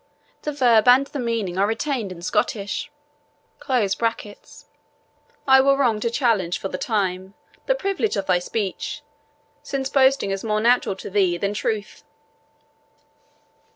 The verb and the meaning are retained in Scottish.] I were wrong to challenge, for the time, the privilege of thy speech, since boasting is more natural to thee than truth."